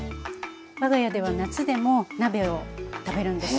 わが家では夏でも鍋を食べるんです。